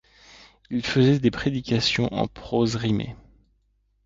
Il faisait des prédications en prose rimée.